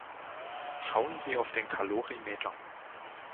Schauen Sie auf den Kalorimeter.